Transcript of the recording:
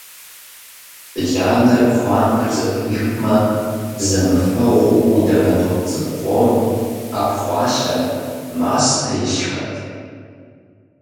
Ланэ пхъуантэр зэтрихмэ – зэмыфэгъуу Ӏуданэ топ цӀыкӀу къом, Ӏэпхъуалъэ, мастэ илъхэт.